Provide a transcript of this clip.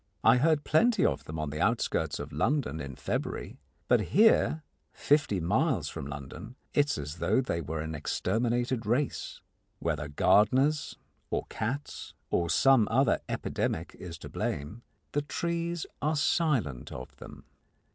I heard plenty of them on the outskirts of London in February, but here, fifty miles from London, it is as though they were an exterminated race. Whether gardeners or cats or some other epidemic is to blame, the trees are silent of them.